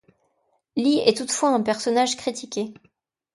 Lee est toutefois un personnage critiqué.